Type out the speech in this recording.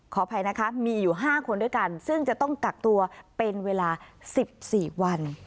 ขออภัยนะคะมีอยู่๕คนด้วยกันซึ่งจะต้องกักตัวเป็นเวลา๑๔วัน